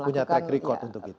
punya track record untuk itu